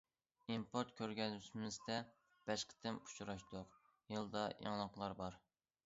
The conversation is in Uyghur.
ئىمپورت كۆرگەزمىسىدە بەش قېتىم ئۇچراشتۇق، يىلدا يېڭىلىقلار بار.